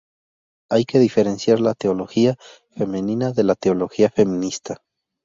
Hay que diferenciar la teología femenina de la teología feminista.